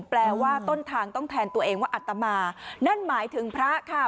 แปลว่าต้นทางต้องแทนตัวเองว่าอัตมานั่นหมายถึงพระค่ะ